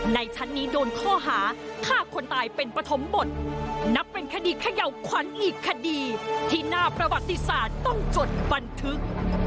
ในชั้นนี้โดนข้อหาฆ่าคนตายเป็นปฐมบทนับเป็นคดีเขย่าขวัญอีกคดีที่หน้าประวัติศาสตร์ต้องจดบันทึก